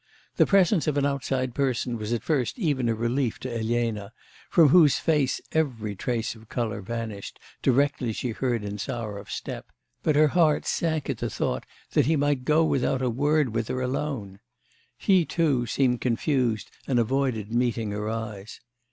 The presence of an outside person was at first even a relief to Elena, from whose face every trace of colour vanished, directly she heard Insarov's step; but her heart sank at the thought that he might go without a word with her alone. He, too, seemed confused, and avoided meeting her eyes.